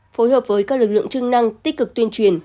phối hợp với các lực lượng chức năng tích cực tuyên truyền